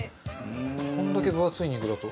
これだけ分厚い肉だと。